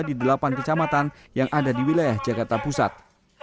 di delapan kecamatan yang ada di wilayah jakarta pusat